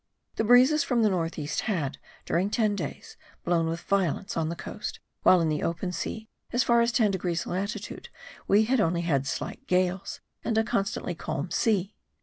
The breezes from the north east had, during ten days, blown with violence on the coast, while, in the open sea, as far as 10 degrees latitude, we had only had slight gales, and a constantly calm sea.